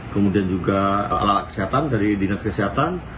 kemudian juga alat alat kesehatan dari dinas kesehatan